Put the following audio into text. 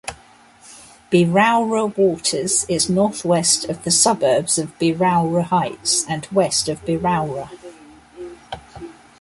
Berowra Waters is north-west of the suburbs of Berowra Heights and west of Berowra.